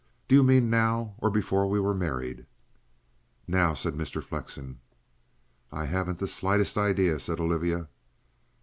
"Do you mean now, or before we were married?" "Now," said Mr. Flexen. "I haven't the slightest idea," said Olivia.